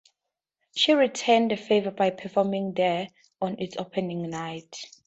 She returned the favor by performing there on its opening night.